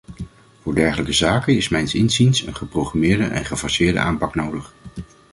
Voor dergelijke zaken is mijns inziens een geprogrammeerde en gefaseerde aanpak nodig.